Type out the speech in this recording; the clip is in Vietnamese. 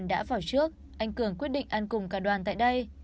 khi đoàn đã vào trước anh cường quyết định ăn cùng cả đoàn tại đây